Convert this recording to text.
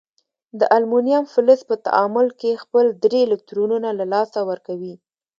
د المونیم فلز په تعامل کې خپل درې الکترونونه له لاسه ورکوي.